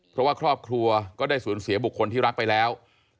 เพราะว่าครอบครัวก็ได้สูญเสียบุคคลที่รักไปแล้ว